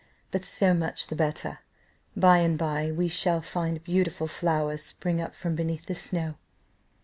But so much the better; by and by we shall find beautiful flowers spring up from beneath the snow.